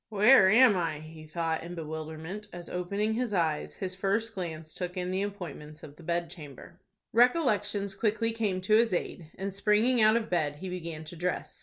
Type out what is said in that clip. "Where am I?" he thought in bewilderment, as, opening his eyes, his first glance took in the appointments of the bedchamber. Recollections quickly came to his aid, and, springing out of bed, he began to dress.